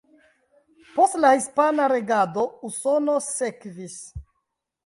Post la hispana regado Usono sekvis.